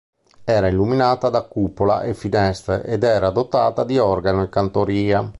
Era illuminata da cupola e finestre, ed era dotata di organo e cantoria.